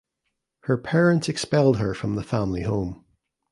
Her parents expelled her from the family home.